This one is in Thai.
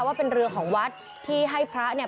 ว่าเป็นเรือของวัดที่ให้พระเนี่ย